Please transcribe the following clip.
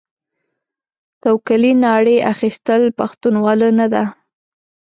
توکلې ناړې اخيستل؛ پښتنواله نه ده.